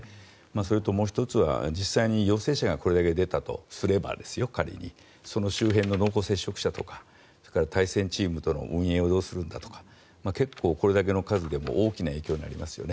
それともう１つは実際にこれだけ陽性者が出たとすればその周辺の濃厚接触者とかそれから対戦チームとの運営をどうするのかとか結構、これだけの数でも大きな影響になりますよね。